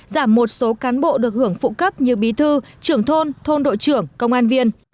giảm một số cán bộ được hưởng phụ cấp như bí thư trưởng thôn thôn thôn đội trưởng công an viên